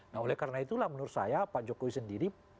nah oleh karena itulah menurut saya pak jokowi sendiri